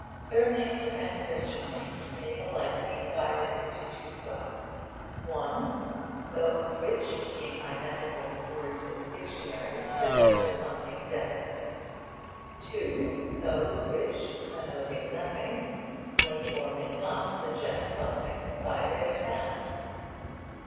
Surnames and Christian names may alike be divided into two classes: (1) those which, being identical with words in the dictionary, connote some definite thing; (2) those which, connoting nothing, may or may not suggest something by their sound.